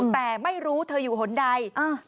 แต่ไม่รู้เธออยู่หนใด